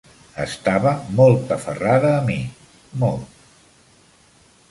Estava molt aferrada a mi, molt.